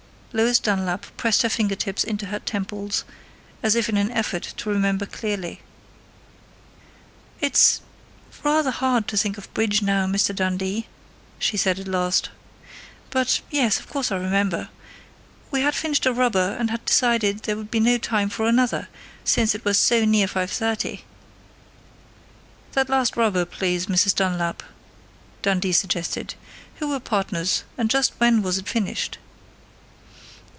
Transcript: Lois Dunlap pressed her fingertips into her temples, as if in an effort to remember clearly. "It's rather hard to think of bridge now, Mr. Dundee," she said at last. "But yes, of course I remember! We had finished a rubber and had decided there would be no time for another, since it was so near 5:30 " "That last rubber, please, Mrs. Dunlap," Dundee suggested. "Who were partners, and just when was it finished?"